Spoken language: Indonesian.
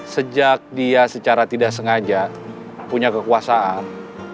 sejak dia secara tidak sengaja punya kekuasaan